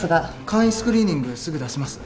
簡易スクリーニングすぐ出せます。